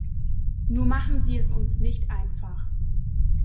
Nur machen Sie es uns nicht einfach.